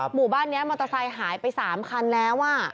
หมู่บ้านนี้มอเตอร์ไซค์หายไป๓คันแล้ว